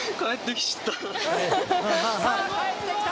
・さあ帰ってきた！